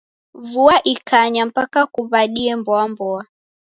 Vua ikanya mpaka kuw'adie mboa-mboa.